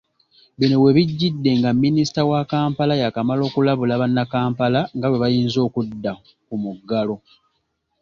Bino webigidde nga Minisita wa Kampala, yakamala okulabula bannakampala nga bwebayinza okudda ku muggalo.